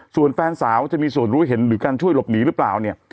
ส่วนแฟนสาวจะมีส่วนรู้เห็นหรือการช่วยหลบหนีหรือเปล่าเนี่ย